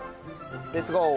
レッツゴー。